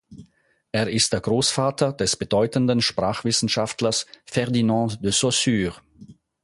Er ist der Großvater des bedeutenden Sprachwissenschaftlers Ferdinand de Saussure.